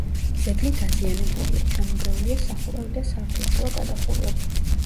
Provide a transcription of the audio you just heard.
ძეგლი დაზიანებულია: ჩამონგრეულია სახურავი და სართულშუა გადახურვები.